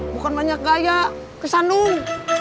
bukan banyak gaya kesan dong